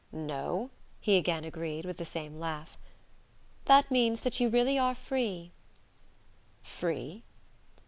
"No," he again agreed, with the same laugh. "That means that you really are free " "Free?"